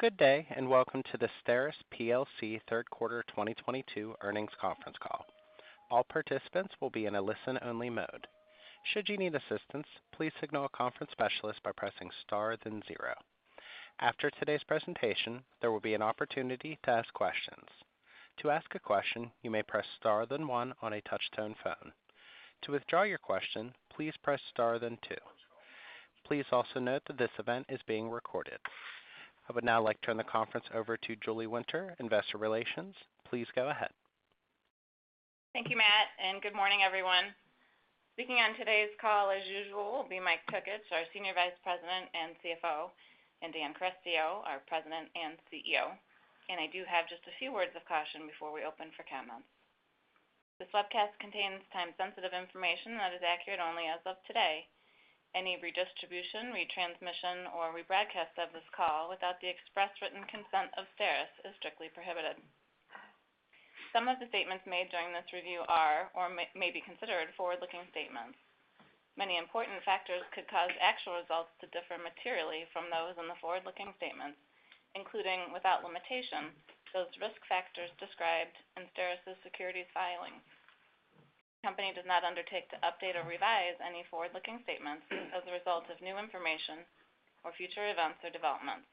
Good day, and welcome to the STERIS plc third quarter 2022 earnings conference call. All participants will be in a listen-only mode. Should you need assistance, please signal a conference specialist by pressing Star then zero. After today's presentation, there will be an opportunity to ask questions. To ask a question, you may press Star then one on a touch-tone phone. To withdraw your question, please press Star then two. Please also note that this event is being recorded. I would now like to turn the conference over to Julie Winter, Investor Relations. Please go ahead. Thank you, Matt, and good morning, everyone. Speaking on today's call as usual will be Michael Tokich, our Senior Vice President and CFO, and Daniel Carestio, our President and CEO. I do have just a few words of caution before we open for comments. This webcast contains time-sensitive information that is accurate only as of today. Any redistribution, retransmission, or rebroadcast of this call without the express written consent of STERIS is strictly prohibited. Some of the statements made during this review are or may be considered forward-looking statements. Many important factors could cause actual results to differ materially from those in the forward-looking statements, including, without limitation, those risk factors described in STERIS' securities filings. The company does not undertake to update or revise any forward-looking statements as a result of new information or future events or developments.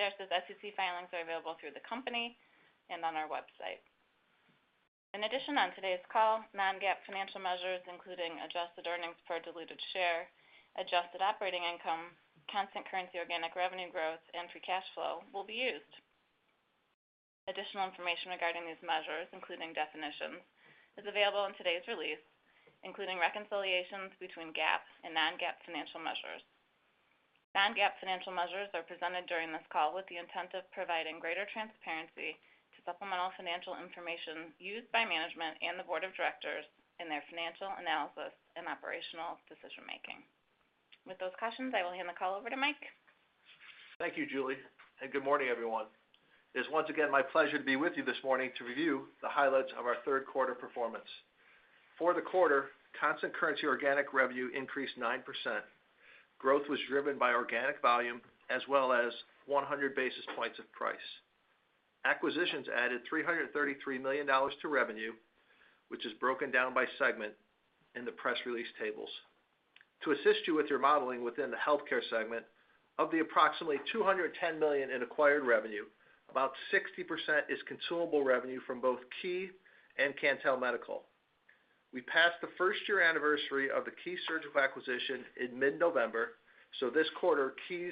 STERIS' SEC filings are available through the company and on our website. In addition, on today's call, non-GAAP financial measures, including adjusted earnings per diluted share, adjusted operating income, constant currency organic revenue growth, and free cash flow will be used. Additional information regarding these measures, including definitions, is available in today's release, including reconciliations between GAAP and non-GAAP financial measures. Non-GAAP financial measures are presented during this call with the intent of providing greater transparency to supplemental financial information used by management and the board of directors in their financial analysis and operational decision-making. With those cautions, I will hand the call over to Mike. Thank you, Julie, and good morning, everyone. It is once again my pleasure to be with you this morning to review the highlights of our third quarter performance. For the quarter, constant currency organic revenue increased 9%. Growth was driven by organic volume as well as 100 basis points of price. Acquisitions added $333 million to revenue, which is broken down by segment in the press release tables. To assist you with your modeling within the healthcare segment, of the approximately $210 million in acquired revenue, about 60% is consumable revenue from both Key and Cantel Medical. We passed the first year anniversary of the Key Surgical acquisition in mid-November, so this quarter, Key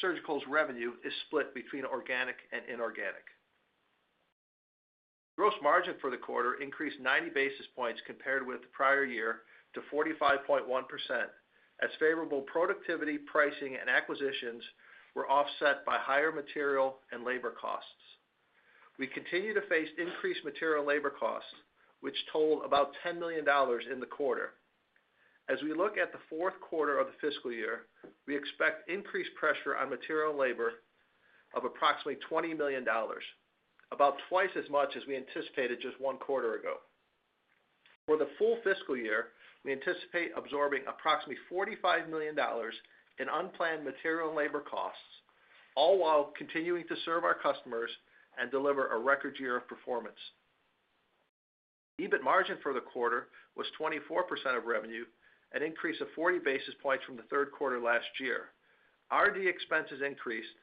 Surgical's revenue is split between organic and inorganic. Gross margin for the quarter increased 90 basis points compared with the prior year to 45.1% as favorable productivity, pricing, and acquisitions were offset by higher material and labor costs. We continue to face increased material and labor costs, which totaled about $10 million in the quarter. As we look at the fourth quarter of the fiscal year, we expect increased pressure on material and labor of approximately $20 million, about twice as much as we anticipated just one quarter ago. For the full fiscal year, we anticipate absorbing approximately $45 million in unplanned material and labor costs, all while continuing to serve our customers and deliver a record year of performance. EBIT margin for the quarter was 24% of revenue, an increase of 40 basis points from the third quarter last year. R&D expenses increased,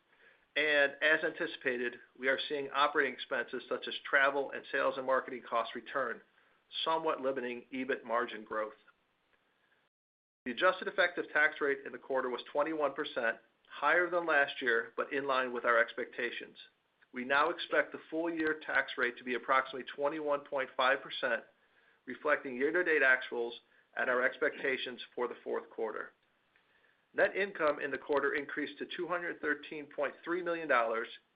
and as anticipated, we are seeing operating expenses such as travel and sales and marketing costs return, somewhat limiting EBIT margin growth. The adjusted effective tax rate in the quarter was 21%, higher than last year, but in line with our expectations. We now expect the full year tax rate to be approximately 21.5%, reflecting year-to-date actuals and our expectations for the fourth quarter. Net income in the quarter increased to $213.3 million,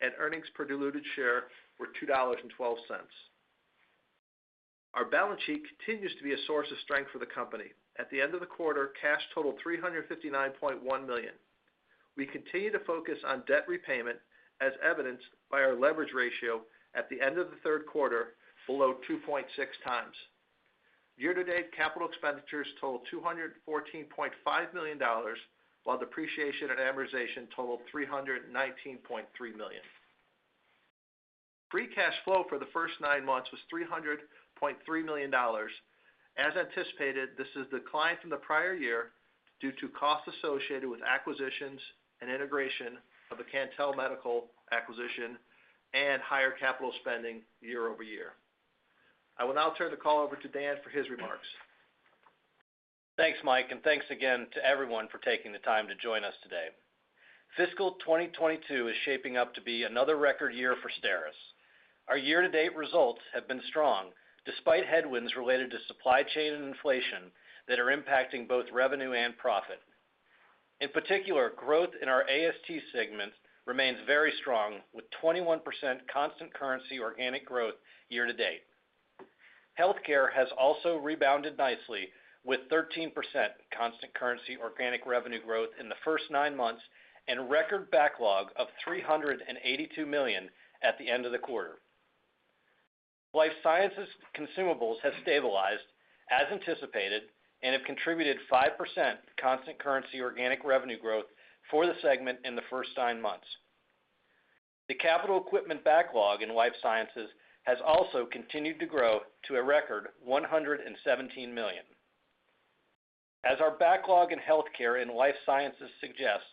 and earnings per diluted share were $2.12. Our balance sheet continues to be a source of strength for the company. At the end of the quarter, cash totaled $359.1 million. We continue to focus on debt repayment, as evidenced by our leverage ratio at the end of the third quarter below 2.6x. Year-to-date capital expenditures totaled $214.5 million, while depreciation and amortization totaled $319.3 million. Free cash flow for the first nine months was $300.3 million. As anticipated, this is the decline from the prior year due to costs associated with acquisitions and integration of the Cantel Medical acquisition and higher capital spending year-over-year. I will now turn the call over to Dan for his remarks. Thanks, Mike, and thanks again to everyone for taking the time to join us today. Fiscal 2022 is shaping up to be another record year for STERIS. Our year-to-date results have been strong despite headwinds related to supply chain and inflation that are impacting both revenue and profit. In particular, growth in our AST segment remains very strong, with 21% constant currency organic growth year to date. Healthcare has also rebounded nicely, with 13% constant currency organic revenue growth in the first nine months and record backlog of $382 million at the end of the quarter. Life sciences consumables have stabilized as anticipated and have contributed 5% constant currency organic revenue growth for the segment in the first nine months. The capital equipment backlog in life sciences has also continued to grow to a record $117 million. As our backlog in healthcare and life sciences suggests,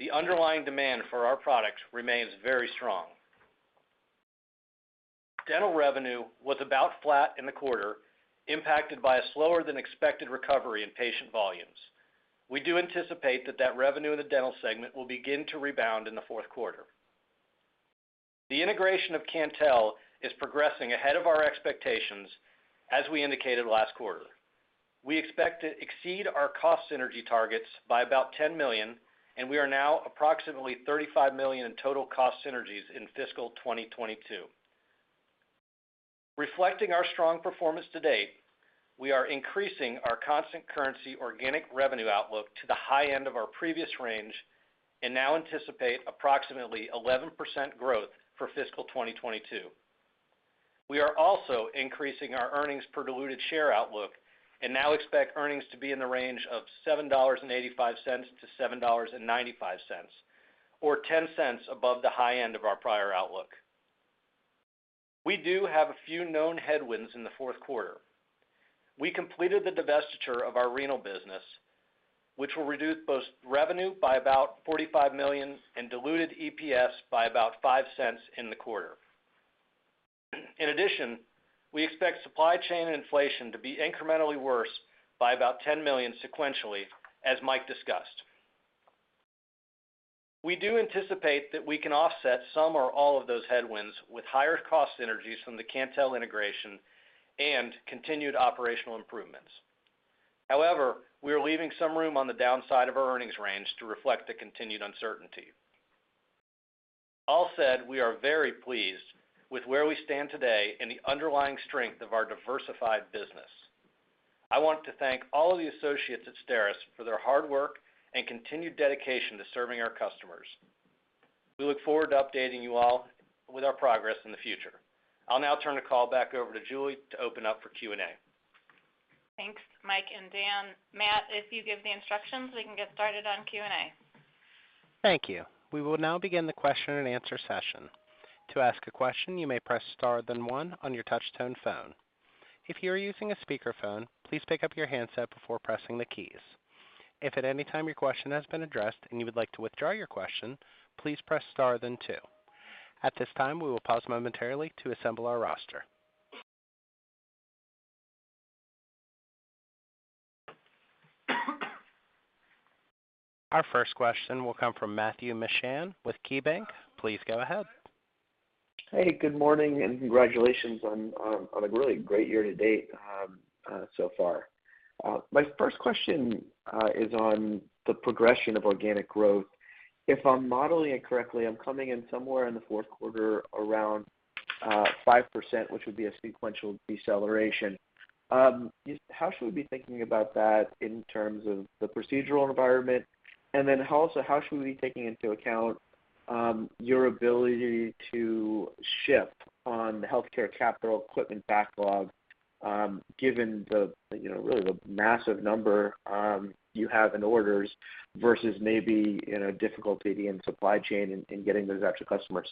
the underlying demand for our products remains very strong. Dental revenue was about flat in the quarter, impacted by a slower than expected recovery in patient volumes. We do anticipate that revenue in the dental segment will begin to rebound in the fourth quarter. The integration of Cantel is progressing ahead of our expectations, as we indicated last quarter. We expect to exceed our cost synergy targets by about $10 million, and we are now approximately $35 million in total cost synergies in fiscal 2022. Reflecting our strong performance to date, we are increasing our constant currency organic revenue outlook to the high end of our previous range and now anticipate approximately 11% growth for fiscal 2022. We are also increasing our earnings per diluted share outlook and now expect earnings to be in the range of $7.85-$7.95, or 10 cents above the high end of our prior outlook. We do have a few known headwinds in the fourth quarter. We completed the divestiture of our renal business, which will reduce both revenue by about $45 million and diluted EPS by about 5 cents in the quarter. In addition, we expect supply chain and inflation to be incrementally worse by about $10 million sequentially, as Mike discussed. We do anticipate that we can offset some or all of those headwinds with higher cost synergies from the Cantel integration and continued operational improvements. However, we are leaving some room on the downside of our earnings range to reflect the continued uncertainty. All said, we are very pleased with where we stand today and the underlying strength of our diversified business. I want to thank all of the associates at STERIS for their hard work and continued dedication to serving our customers. We look forward to updating you all with our progress in the future. I'll now turn the call back over to Julie to open up for Q&A. Thanks, Mike and Dan. Matt, if you give the instructions, we can get started on Q&A. Thank you. We will now begin the question and answer session. To ask a question, you may press star then one on your touch-tone phone. If you are using a speakerphone, please pick up your handset before pressing the keys. If at any time your question has been addressed and you would like to withdraw your question, please press star then two. At this time, we will pause momentarily to assemble our roster. Our first question will come from Matthew Mishan with KeyBanc. Please go ahead. Hey, good morning, and congratulations on a really great year to date so far. My first question is on the progression of organic growth. If I'm modeling it correctly, I'm coming in somewhere in the fourth quarter around 5%, which would be a sequential deceleration. How should we be thinking about that in terms of the procedural environment? And then also, how should we be taking into account your ability to ship on the healthcare capital equipment backlog, given the, you know, really the massive number you have in orders versus maybe, you know, difficulty in supply chain in getting those out to customers?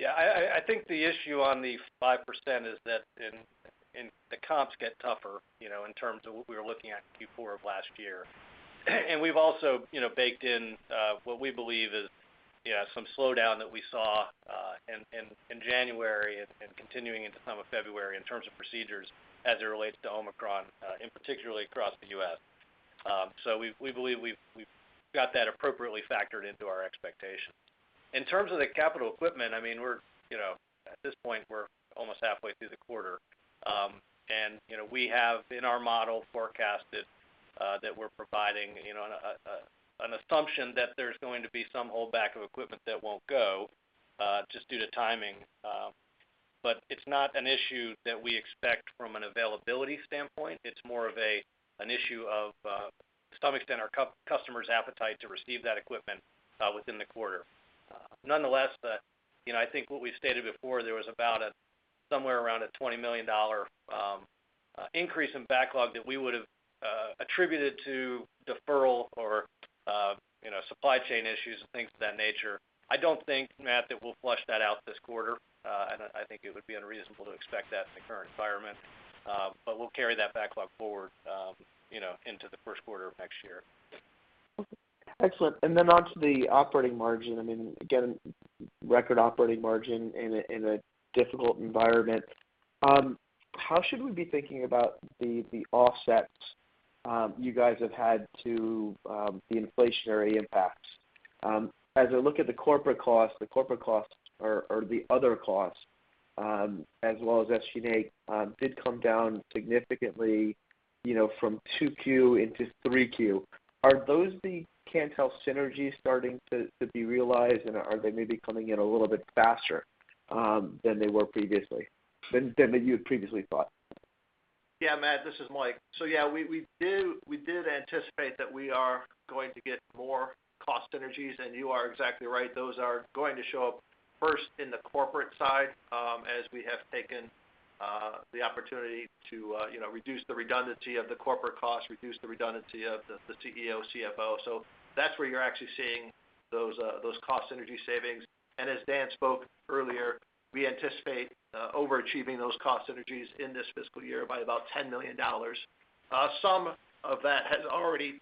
Yeah, I think the issue on the 5% is that in the comps get tougher, you know, in terms of what we were looking at in Q4 of last year. We've also, you know, baked in what we believe is, you know, some slowdown that we saw in January and continuing into some of February in terms of procedures as it relates to Omicron, particularly across the U.S. We believe we've got that appropriately factored into our expectations. In terms of the capital equipment, I mean, we're, you know, at this point, we're almost halfway through the quarter. You know, we have in our model forecasted that we're providing, you know, an assumption that there's going to be some holdback of equipment that won't go just due to timing. It's not an issue that we expect from an availability standpoint. It's more of an issue of, to some extent our customers appetite to receive that equipment within the quarter. Nonetheless, you know, I think what we stated before, there was about a somewhere around a $20 million increase in backlog that we would have attributed to deferral or, you know, supply chain issues and things of that nature. I don't think, Matt, that we'll flush that out this quarter. I think it would be unreasonable to expect that in the current environment, but we'll carry that backlog forward, you know, into the first quarter of next year. Okay. Excellent. Then on to the operating margin. I mean, again, record operating margin in a difficult environment. How should we be thinking about the offsets you guys have had to the inflationary impacts? As I look at the corporate costs or the other costs as well as SG&A did come down significantly, you know, from 2Q into 3Q. Are those the Cantel synergies starting to be realized, and are they maybe coming in a little bit faster than they were previously, than you had previously thought? Yeah, Matt, this is Mike. Yeah, we did anticipate that we are going to get more cost synergies, and you are exactly right. Those are going to show up first in the corporate side, as we have taken the opportunity to, you know, reduce the redundancy of the corporate costs, reduce the redundancy of the CEO, CFO. That's where you're actually seeing those cost synergy savings. As Dan spoke earlier, we anticipate overachieving those cost synergies in this fiscal year by about $10 million. Some of that has already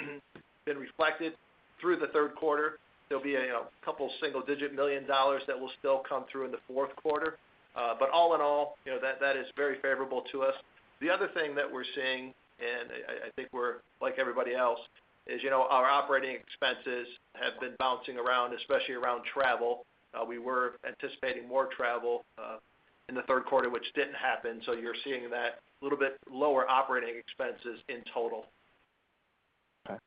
been reflected through the third quarter. There'll be a couple single-digit million dollars that will still come through in the fourth quarter. All in all, you know, that is very favorable to us. The other thing that we're seeing, and I think we're like everybody else, is, you know, our operating expenses have been bouncing around, especially around travel. We were anticipating more travel in the third quarter, which didn't happen, so you're seeing that little bit lower operating expenses in total. Okay.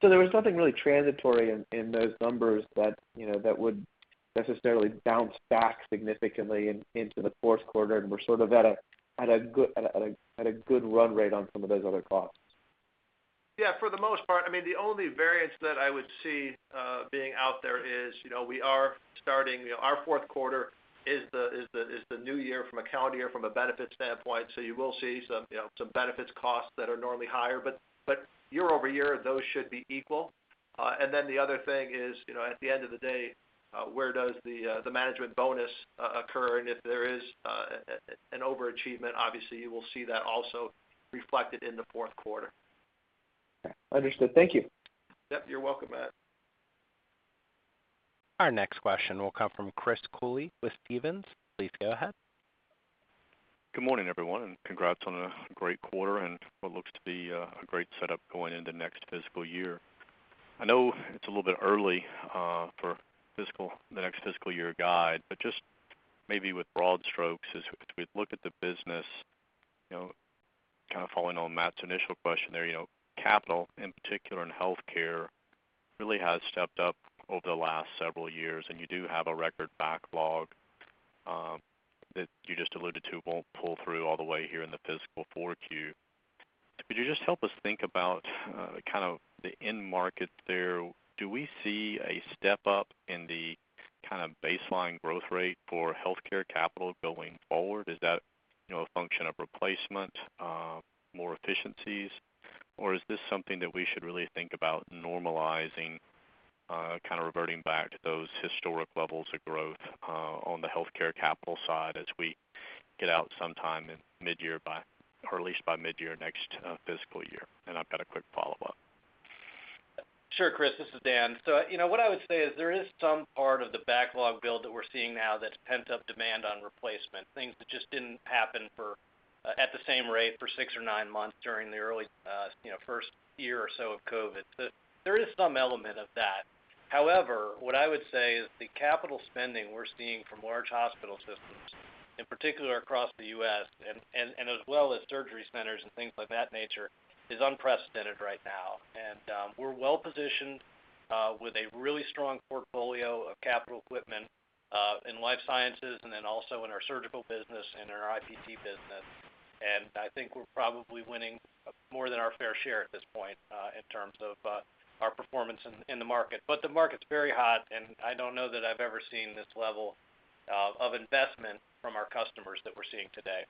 There was nothing really transitory in those numbers that, you know, that would necessarily bounce back significantly into the fourth quarter, and we're sort of at a good run rate on some of those other costs. Yeah, for the most part. I mean, the only variance that I would see being out there is, you know, our fourth quarter is the new year from a calendar year from a benefit standpoint, so you will see some, you know, some benefits costs that are normally higher. Year-over-year, those should be equal. Then the other thing is, you know, at the end of the day, where does the management bonus occur? And if there is an overachievement, obviously you will see that also reflected in the fourth quarter. Understood. Thank you. Yep, you're welcome, Matt. Our next question will come from Chris Cooley with Stephens. Please go ahead. Good morning, everyone, and congrats on a great quarter and what looks to be a great setup going into next fiscal year. I know it's a little bit early for the next fiscal year guide, but just maybe with broad strokes as we look at the business, you know, kind of following on Matt's initial question there, you know, capital, in particular in healthcare, really has stepped up over the last several years, and you do have a record backlog that you just alluded to won't pull through all the way here in the fiscal 4Q. Could you just help us think about kind of the end market there? Do we see a step up in the kind of baseline growth rate for healthcare capital going forward? Is that, you know, a function of replacement more efficiencies? Is this something that we should really think about normalizing, kind of reverting back to those historic levels of growth, on the healthcare capital side as we get out sometime in mid-year by or at least by mid-year next, fiscal year? I've got a quick follow-up. Sure, Chris. This is Dan. You know what I would say is there is some part of the backlog build that we're seeing now that's pent up demand on replacement, things that just didn't happen for at the same rate for six or nine months during the early, you know, first year or so of COVID. There is some element of that. However, what I would say is the capital spending we're seeing from large hospital systems, in particular across the U.S. and as well as surgery centers and things of that nature, is unprecedented right now. We're well positioned with a really strong portfolio of capital equipment in life sciences and then also in our surgical business and in our IPT business. I think we're probably winning more than our fair share at this point in terms of our performance in the market. The market's very hot, and I don't know that I've ever seen this level of investment from our customers that we're seeing today.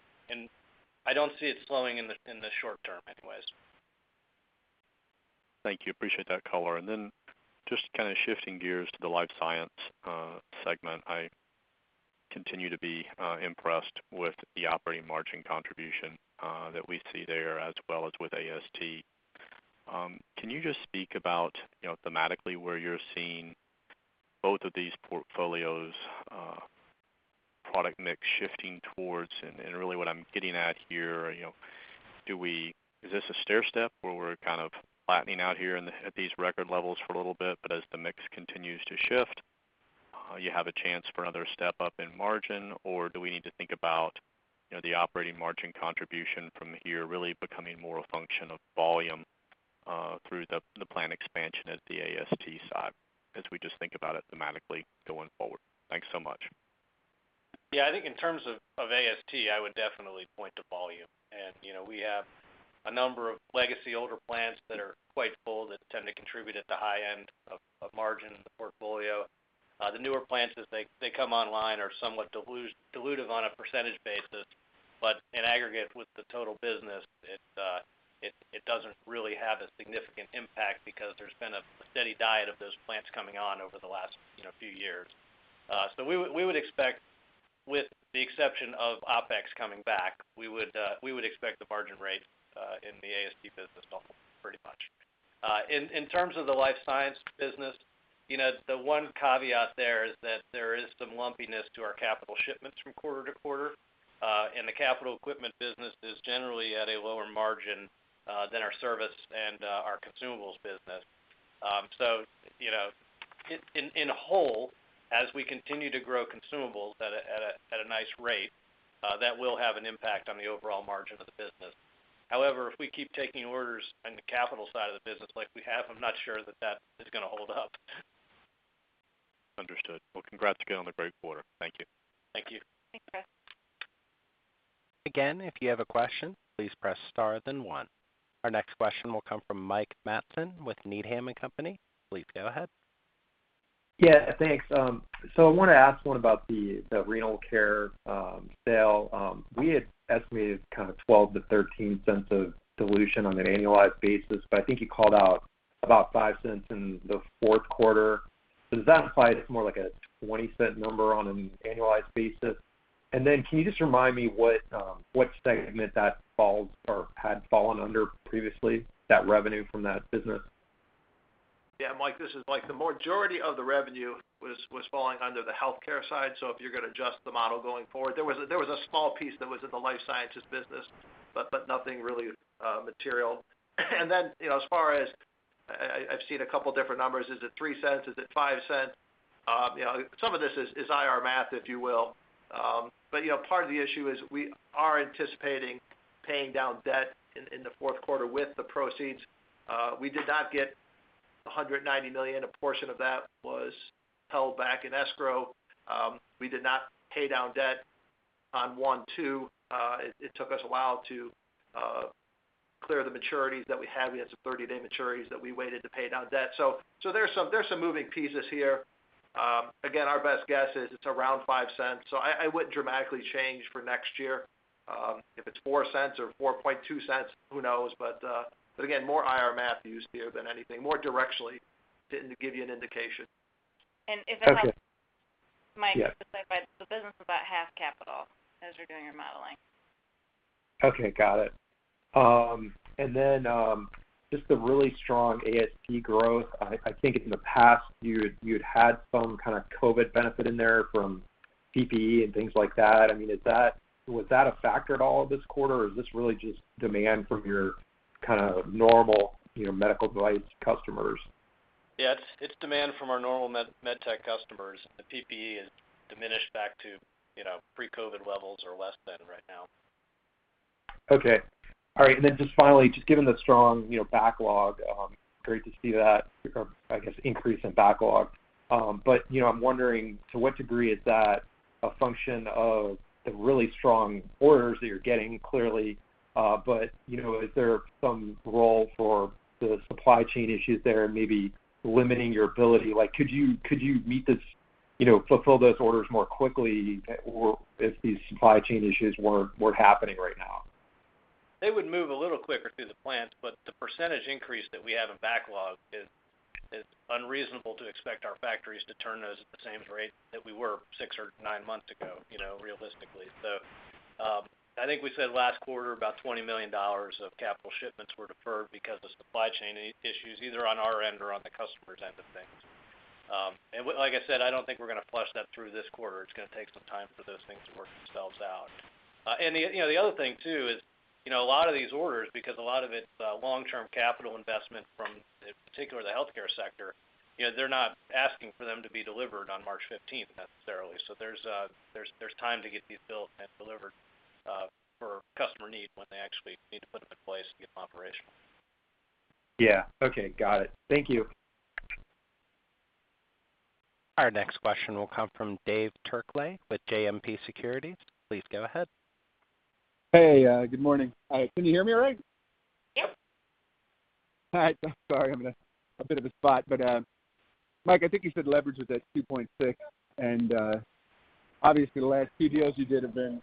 I don't see it slowing in the short term anyways. Thank you. Appreciate that color. Then just kind of shifting gears to the life science segment. I continue to be impressed with the operating margin contribution that we see there as well as with AST. Can you just speak about, you know, thematically where you're seeing both of these portfolios product mix shifting towards? Really what I'm getting at here, you know, is this a stairstep where we're kind of flattening out at these record levels for a little bit, but as the mix continues to shift, you have a chance for another step up in margin? Do we need to think about, you know, the operating margin contribution from here really becoming more a function of volume, through the plan expansion at the AST side as we just think about it thematically going forward? Thanks so much. Yeah. I think in terms of AST, I would definitely point to volume. You know, we have a number of legacy older plants that are quite full that tend to contribute at the high end of margin in the portfolio. The newer plants as they come online are somewhat dilutive on a percentage basis. In aggregate with the total business, it doesn't really have a significant impact because there's been a steady diet of those plants coming on over the last, you know, few years. We would expect, with the exception of OpEx coming back, we would expect the margin rate in the AST business to hold pretty much. In terms of the life science business, you know, the one caveat there is that there is some lumpiness to our capital shipments from quarter to quarter. The capital equipment business is generally at a lower margin than our service and our consumables business. You know, in whole, as we continue to grow consumables at a nice rate, that will have an impact on the overall margin of the business. However, if we keep taking orders in the capital side of the business like we have, I'm not sure that is gonna hold up. Well, congrats again on the great quarter. Thank you. Thank you. Thanks, Chris. Again, if you have a question, please press star then one. Our next question will come from Mike Matson with Needham & Company. Please go ahead. Yeah, thanks. I wanna ask one about the renal care sale. We had estimated kind of $0.12-$0.13 of dilution on an annualized basis, but I think you called out about $0.05 in the fourth quarter. Does that imply it's more like a $0.20 number on an annualized basis? Can you just remind me what segment that falls or had fallen under previously, that revenue from that business? Yeah, Mike, this is Mike. The majority of the revenue was falling under the healthcare side, so if you're gonna adjust the model going forward. There was a small piece that was in the life sciences business, but nothing really material. You know, as far as I've seen a couple different numbers. Is it $0.03? Is it $0.05? You know, some of this is IR math, if you will. You know, part of the issue is we are anticipating paying down debt in the fourth quarter with the proceeds. We did not get $190 million. A portion of that was held back in escrow. We did not pay down debt in Q1, Q2. It took us a while to clear the maturities that we had. We had some 30 day maturities that we waited to pay down debt. There's some moving parts here. Again, our best guess is it's around $0.05. I wouldn't dramatically change for next year. If it's $0.04 or $0.042, who knows? But again, more IR math used here than anything. More directionally to give you an indication. Okay. If I might. Yes. Mike, the segment, the business is about half capital as you're doing your modeling. Okay, got it. Just the really strong AST growth. I think in the past you'd had some kind of COVID benefit in there from PPE and things like that. I mean, was that a factor at all this quarter, or is this really just demand from your kind of normal, you know, medical device customers? Yeah. It's demand from our normal med tech customers. The PPE is diminished back to, you know, pre-COVID levels or less than right now. Okay. All right. Just finally, just given the strong, you know, backlog, great to see that, or I guess increase in backlog. You know, I'm wondering to what degree is that a function of the really strong orders that you're getting clearly, but, you know, is there some role for the supply chain issues there maybe limiting your ability? Like, could you meet this, you know, fulfill those orders more quickly if these supply chain issues weren't happening right now? They would move a little quicker through the plants, but the percentage increase that we have in backlog is unreasonable to expect our factories to turn those at the same rate that we were six or nine months ago, you know, realistically. I think we said last quarter about $20 million of capital shipments were deferred because of supply chain issues, either on our end or on the customer's end of things. Like I said, I don't think we're gonna flush that through this quarter. It's gonna take some time for those things to work themselves out. You know, the other thing too is, you know, a lot of these orders, because a lot of it's long-term capital investment from, in particular the healthcare sector, you know, they're not asking for them to be delivered on March fifteenth necessarily. There's time to get these built and delivered for customer need when they actually need to put them in place to get them operational. Yeah. Okay. Got it. Thank you. Our next question will come from David Turkaly with JMP Securities. Please go ahead. Hey, good morning. Can you hear me all right? Yep. All right. Sorry, I'm in a bit of a spot. Mike, I think you said leverage was at 2.6, and obviously the last few deals you did have been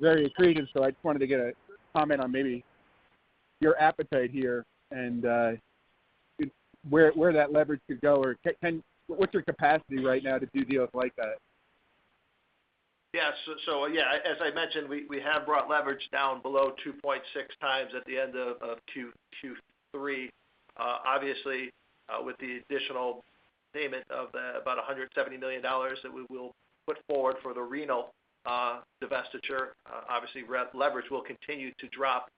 very accretive, so I just wanted to get a comment on maybe your appetite here and where that leverage could go or can. What's your capacity right now to do deals like that? As I mentioned, we have brought leverage down below 2.6 times at the end of Q3. Obviously, with the additional payment of about $170 million that we will put forward for the renal divestiture, obviously leverage will continue to drop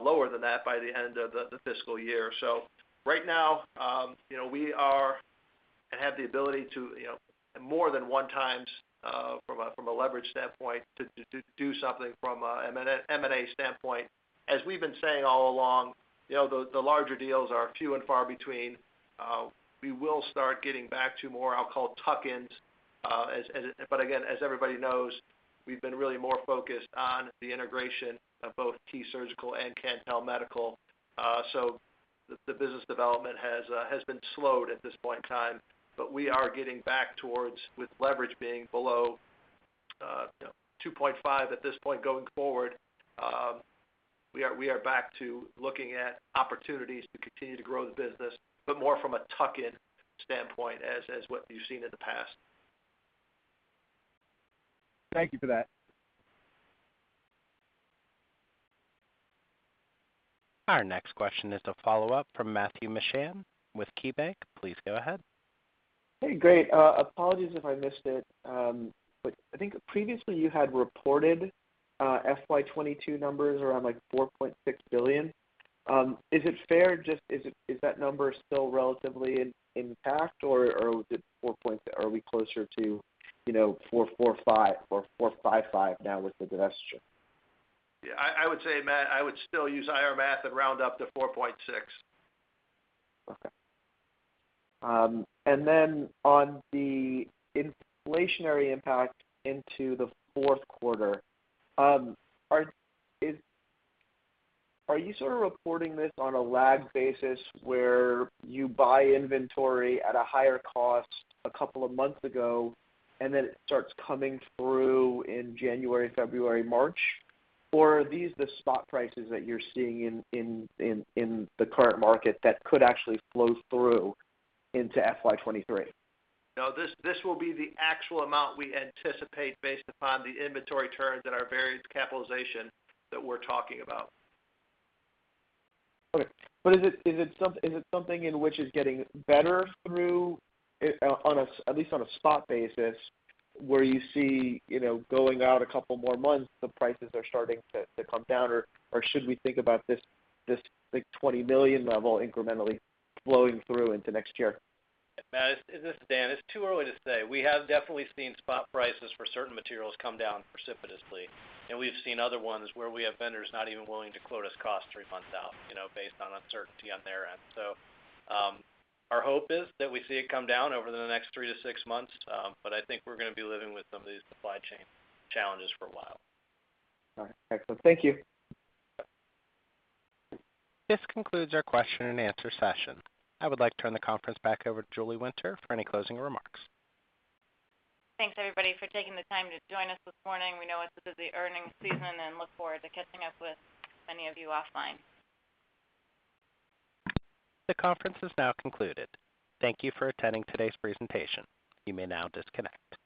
lower than that by the end of the fiscal year. Right now, you know, we have the ability to, you know, more than one times from a leverage standpoint to do something from an M&A standpoint. As we've been saying all along, you know, the larger deals are few and far between. We will start getting back to more, I'll call tuck-ins, as. Again, as everybody knows, we've been really more focused on the integration of both Key Surgical and Cantel Medical. The business development has been slowed at this point in time. We are getting back towards with leverage being below 2.5 at this point going forward. We are back to looking at opportunities to continue to grow the business, but more from a tuck-in standpoint as what you've seen in the past. Thank you for that. Our next question is a follow-up from Matthew Mishan with KeyBanc. Please go ahead. Hey, great. Apologies if I missed it. I think previously you had reported FY 2022 numbers around like $4.6 billion. Is that number still relatively intact, or are we closer to, you know, $4.45 billion or $4.55 billion now with the divestiture? Yeah, I would say, Matt, I would still use IR math and round up to 4.6. Okay. On the inflationary impact into the fourth quarter, are you sort of reporting this on a lag basis where you buy inventory at a higher cost a couple of months ago, and then it starts coming through in January, February, March? Or are these the spot prices that you're seeing in the current market that could actually flow through into FY 2023? No, this will be the actual amount we anticipate based upon the inventory turns and our various capitalization that we're talking about. Is it something in which is getting better at least on a spot basis, where you see, you know, going out a couple more months, the prices are starting to come down? Should we think about this like $20 million level incrementally flowing through into next year? Matt, this is Dan. It's too early to say. We have definitely seen spot prices for certain materials come down precipitously, and we've seen other ones where we have vendors not even willing to quote us cost three months out, you know, based on uncertainty on their end. Our hope is that we see it come down over the next three to six months, but I think we're gonna be living with some of these supply chain challenges for a while. All right. Excellent. Thank you. This concludes our question-and-answer session. I would like to turn the conference back over to Julie Winter for any closing remarks. Thanks, everybody, for taking the time to join us this morning. We know it's a busy earnings season and look forward to catching up with many of you offline. The conference has now concluded. Thank you for attending today's presentation. You may now disconnect.